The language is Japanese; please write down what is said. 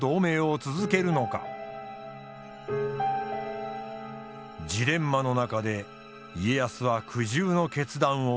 ジレンマの中で家康は苦渋の決断を下す。